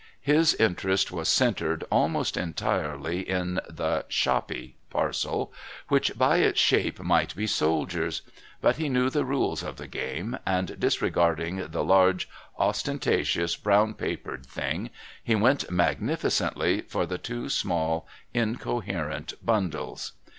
His interest was centred almost entirely in the "shoppy" parcel, which by its shape might be "soldiers"; but he knew the rules of the game, and disregarding the large, ostentatious brown papered thing, he went magnificently for the two small incoherent bundles.